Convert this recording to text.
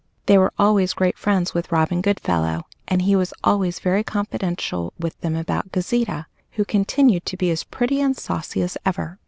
They were always great friends with Robin Goodfellow, and he was always very confidential with them about Gauzita, who continued to be as pretty and saucy as ever.